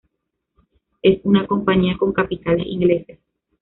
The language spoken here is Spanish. Es una compañía con capitales ingleses.